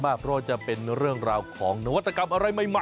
เพราะว่าจะเป็นเรื่องราวของนวัตกรรมอะไรใหม่